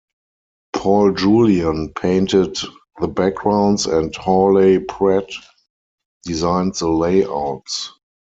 Paul Julian painted the backgrounds and Hawley Pratt designed the layouts.